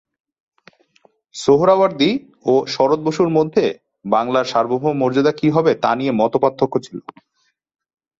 সোহরাওয়ার্দী ও শরৎ বসুর মধ্যে বাংলার সার্বভৌম মর্যাদা কি হবে তা নিয়ে মতপার্থক্য ছিল।